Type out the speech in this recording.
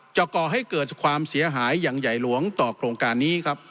ก่อให้เกิดความเสียหายอย่างใหญ่หลวงต่อโครงการนี้ครับ